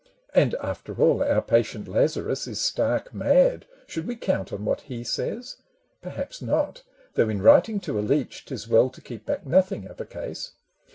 (And after all, our patient Lazarus Is stark mad ; should we count on what he says? Perhaps not : though in writing to a leech T is well to keep back nothing of a case.)